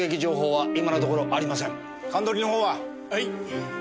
はい。